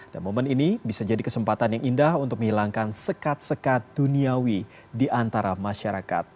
dan momen ini bisa jadi kesempatan yang indah untuk menghilangkan sekat sekat duniawi di antara masyarakat